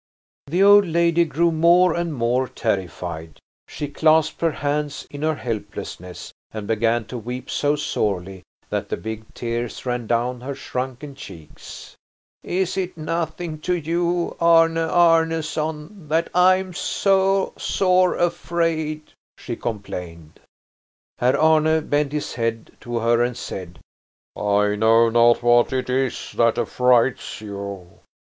The old lady grew more and more terrified. She clasped her hands in her helplessness and began to weep so sorely that the big tears ran down her shrunken cheeks. "Is it nothing to you, Arne Arneson, that I am so sore afraid?" she complained. Herr Arne bent his head to her and said: "I know not what it is that affrights you."